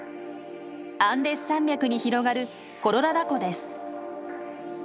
アンデス山脈に広がるコロラダ湖です。